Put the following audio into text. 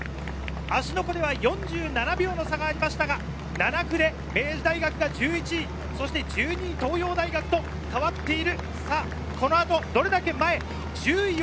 芦ノ湖では４７秒の差がありましたが、７区で明治が１１位、１２位・東洋と変わっている。